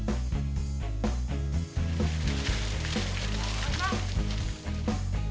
bukannya nolongin asma ya kan